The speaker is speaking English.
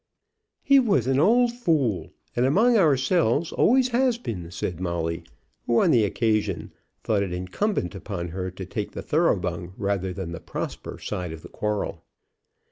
"He was an old fool! and, among ourselves, always has been," said Molly, who on the occasion thought it incumbent upon her to take the Thoroughbung rather than the Prosper side of the quarrel.